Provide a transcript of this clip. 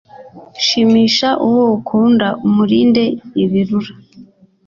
Shimisha uwo ukunda umurinde ibirura